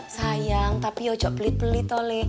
sayang tapi ya ujok belit belit ole